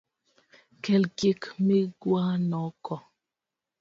Kel gik mikwanogo.